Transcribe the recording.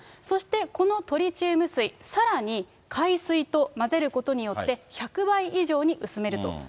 そしてこのトリチウム水、さらに海水と混ぜることによって、１００倍以上に薄めると。